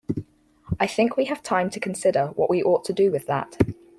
I think we have time to consider what we ought to do with that.